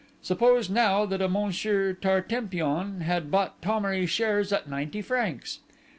Suppose now that a Monsieur Tartempion had bought Thomery shares at ninety francs.